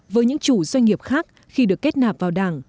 với những chủ doanh nghiệp khác khi được kết nạp vào đảng